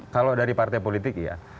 kalau dari partai politik ya